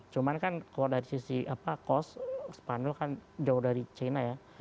cuman kan kalau dari sisi cost spanyol kan jauh dari china ya